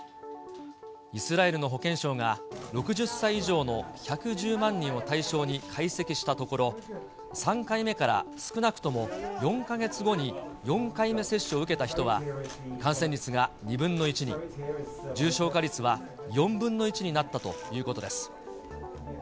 イスラエルの保健省が、６０歳以上の１１０万人を対象に解析したところ、３回目から少なくとも４か月後に４回目接種を受けた人は、感染率が２分の１に、重症化率は４分の１になったということです。